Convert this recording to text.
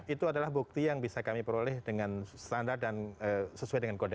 itu adalah bukti yang bisa kami peroleh dengan standar dan sesuai dengan kode